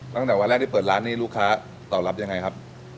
ตั้งแต่วันแรกที่เปิดร้านนี้ลูกค้าตอบรับยังไงครับ